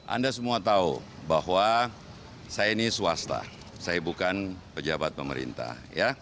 anda semua tahu bahwa saya ini swasta saya bukan pejabat pemerintah